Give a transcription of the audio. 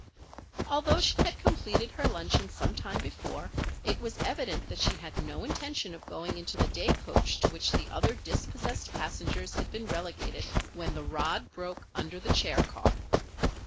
Although she had completed her luncheon some time before, it was evident that she had no intention of going into the day coach to which the other dispossessed passengers had been relegated when the rod broke under the chair car.